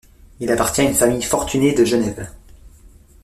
Il appartient à une famille fortunée de Genève.